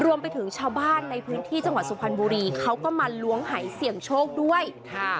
รวมไปถึงชาวบ้านในพื้นที่จังหวัดสุพรรณบุรีเขาก็มาล้วงหายเสี่ยงโชคด้วยค่ะ